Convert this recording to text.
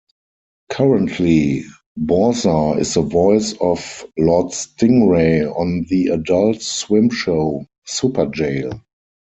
Currently, Bauza is the voice of Lord Stingray on the Adult Swim show, Superjail!